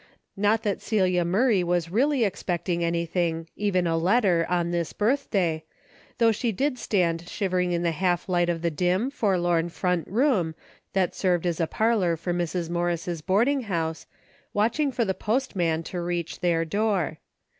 ]^ot that Celia Murray was really expecting anything, even a letter, on this birthday, though she did stand shivering in the half light of the dim, forlorn front room that served as a par lor for Mrs. Morris' boarding house, watching for the postman to reach their door.